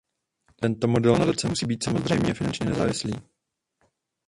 Tento model nadace musí být samozřejmě finančně nezávislý.